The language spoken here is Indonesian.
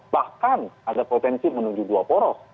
bahkan ada potensi menuju dua poros